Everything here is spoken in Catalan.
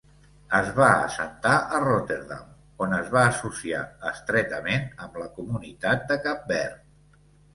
Es va assentar a Rotterdam, on es va associar estretament amb la comunitat de Cap Verd.